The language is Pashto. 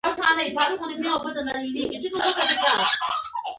د هغې بېلګې او مثالونه وښیاست.